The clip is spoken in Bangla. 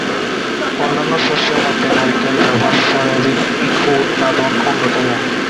অন্যান্য শস্যের মধ্যে নারিকেল, রাবার, সয়াবিন, ইক্ষু উৎপাদন অন্যতম।